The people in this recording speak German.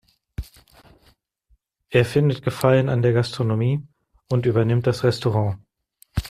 Er findet Gefallen an der Gastronomie und übernimmt das Restaurant.